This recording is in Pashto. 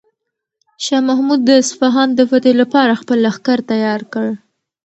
شاه محمود د اصفهان د فتح لپاره خپل لښکر تیار کړ.